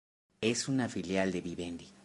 Es una filial de Vivendi.